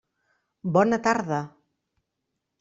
Bona tarda.